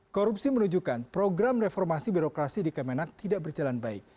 korupsi menunjukkan program reformasi birokrasi di kemenak tidak berjalan baik